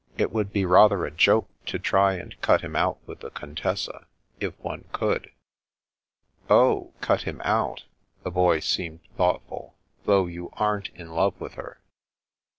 It would be rather a joke to try and cut him out with the Contessa — if one could." " Oh — cut him out." The Boy seemed thought ful. " Though you aren't in love with her?